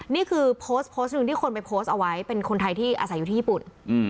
นี่คือโพสต์โพสต์หนึ่งที่คนไปโพสต์เอาไว้เป็นคนไทยที่อาศัยอยู่ที่ญี่ปุ่น